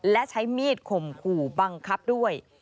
และใช้มีดข่มขู่บังคับด้วย